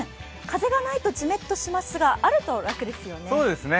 風がないとじめっとしますが、あると楽ですよね。